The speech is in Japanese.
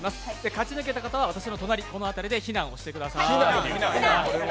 勝ち抜けた方は私の隣、この辺りで避難をしてください。